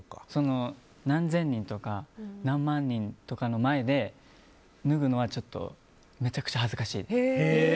何千人とか何万人とかの前で脱ぐのはちょっとめちゃくちゃ恥ずかしい。